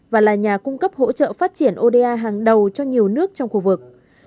và là nhà cung cấp hỗ trợ phát triển oda hàng đầu cho nhiều nước trong khu vực